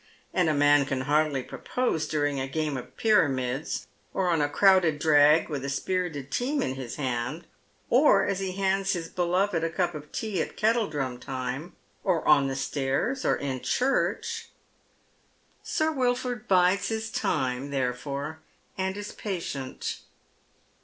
And a man can hardly propose during a game of pjTamids, or on a crowded drag with a spirited team in his hand, or as he hands his beloved a cup of tea at kettledrum time, or on the stairs, or in church. Sir Wilford bides his time, therefore, and is patient.